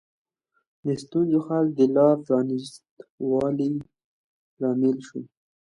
د ستونزو حل د لا پرانیست والي لامل شو.